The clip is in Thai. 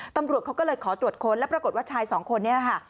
ตำรวจเขาก็เลยขอตรวจค้นแล้วปรากฏว่าชายสองคนนี้ค่ะ